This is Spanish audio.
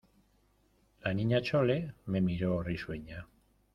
la Niña Chole me miró risueña: